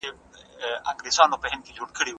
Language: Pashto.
زه به سبا مځکي ته ګورم وم؟!